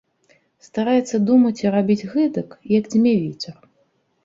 Стараецца думаць і рабіць гэтак, як дзьме вецер.